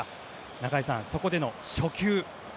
中居さん、そこでの初球。